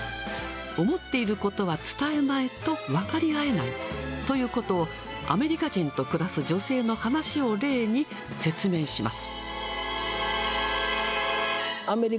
思っていることは伝えないと分かり合えないということを、アメリカ人と暮らす女性の話を例に説明します。